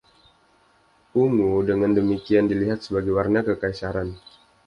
Ungu dengan demikian dilihat sebagai warna kekaisaran.